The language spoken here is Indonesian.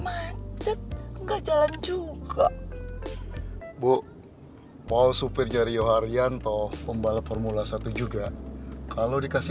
macet enggak jalan juga bu paul supirnya rio haryanto pembalap formula satu juga kalau dikasih